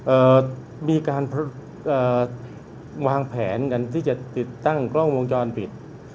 เอ่อมีการเอ่อวางแผนกันที่จะติดตั้งกล้องวงจรปิด